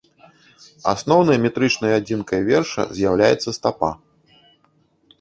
Асноўнай метрычнай адзінкай верша з'яўляецца стапа.